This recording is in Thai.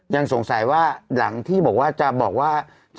ยังสงสัยว่าหลังที่บอกว่าจะบอกว่า